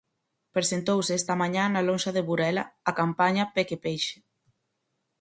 Presentouse esta mañá na lonxa de Burela a campaña Peque Peixe.